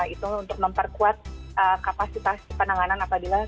itu untuk memperkuat kapasitas penanganan apabila